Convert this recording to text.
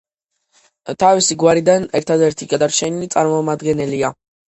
თავისი გვარიდან ერთადერთი გადარჩენილი წარმომადგენელია.